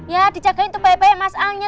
ya dijagain tuh baik baik mas'alnya